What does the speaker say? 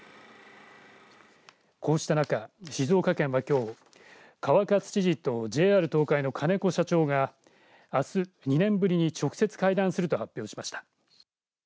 こうした中、静岡県は、きょう川勝知事とＪＲ東海の金子社長があす、２年ぶりに直接会談すると発表しました。